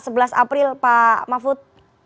sebelas april pak mahfud